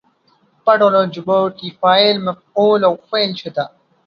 په ټولو ژبو کې فاعل، مفعول او فعل شته.